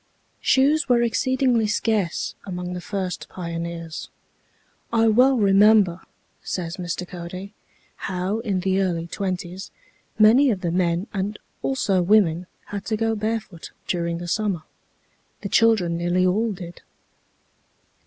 Shoes were exceedingly scarce among the first pioneers. "I well remember," says Mr. Cody, "how, in the early twenties, many of the men and also women had to go barefoot during the summer. The children nearly all did."